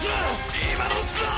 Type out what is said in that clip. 今のうちだ！